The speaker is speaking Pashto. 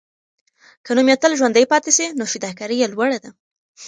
که نوم یې تل ژوندی پاتې سي، نو فداکاري یې لوړه ده.